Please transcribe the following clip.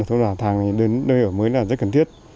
thôn vả thàng đến nơi ở mới là rất cần thiết